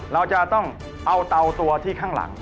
เราจะต้องเอาเตาตัวที่ข้างหลัง